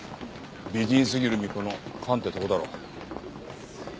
美人すぎる巫女のファンってとこだろう。